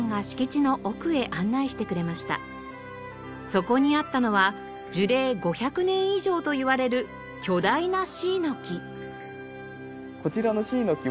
そこにあったのは樹齢５００年以上といわれる巨大な椎の木。